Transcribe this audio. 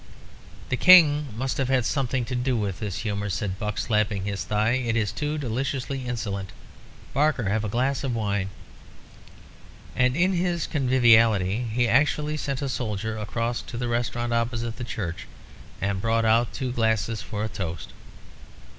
"The King must have had something to do with this humour," said Buck, slapping his thigh. "It's too deliciously insolent. Barker, have a glass of wine." And in his conviviality he actually sent a soldier across to the restaurant opposite the church and brought out two glasses for a toast.